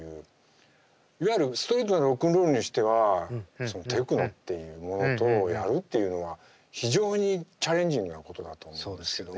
いわゆるストリートなロックンロールにしてはテクノっていうものとやるっていうのは非常にチャレンジングなことだと思うんですけども。